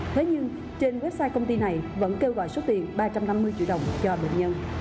thế nhưng trên website công ty này vẫn kêu gọi số tiền ba trăm năm mươi triệu đồng cho bệnh nhân